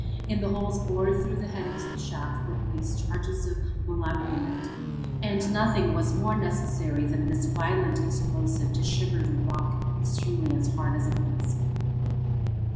In the holes bored through the headings of the shaft were placed charges of melimelonite. And nothing more was necessary than this violent explosive to shiver the rock, extremely hard as it was.